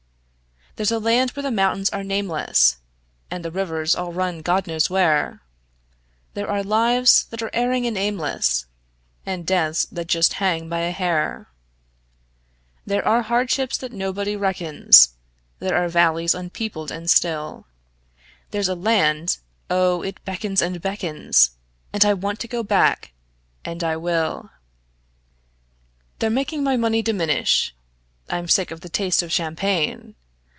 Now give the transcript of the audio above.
There's a land where the mountains are nameless, And the rivers all run God knows where; There are lives that are erring and aimless, And deaths that just hang by a hair; There are hardships that nobody reckons; There are valleys unpeopled and still; There's a land oh, it beckons and beckons, And I want to go back and I will. They're making my money diminish; I'm sick of the taste of champagne.